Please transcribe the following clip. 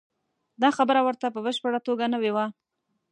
دا خبره ورته په بشپړه توګه نوې وه.